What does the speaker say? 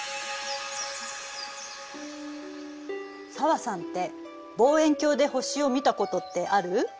紗和さんって望遠鏡で星を見たことってある？